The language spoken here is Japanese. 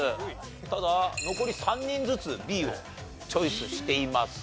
ただ残り３人ずつＢをチョイスしています。